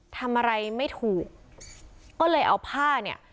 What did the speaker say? ทำอะไรไม่ถูกก็เลยเอาผ้าเนี่ย